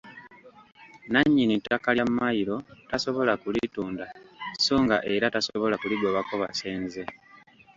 Nnannyini ttaka lya mmayiro tasobola kulitunda sso nga era tasobola kuligobako basenze.